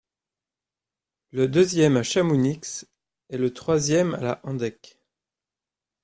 Le deuxième à Chamounix, et le troisième à la Handeck.